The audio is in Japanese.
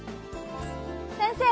先生。